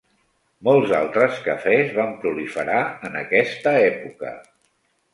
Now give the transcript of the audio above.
Molts altres cafès van proliferar en aquesta època.